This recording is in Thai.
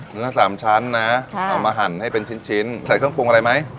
เนื้อสามชั้นนะเอามาหั่นให้เป็นชิ้นใส่เครื่องปรุงอะไรไหม